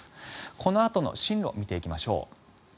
このあとの進路見ていきましょう。